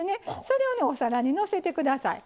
それをねお皿にのせて下さい。